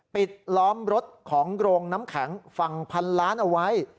ปิดล้อมรถของโรงน้ำแข็งฝั่งพันล้านเอาไว้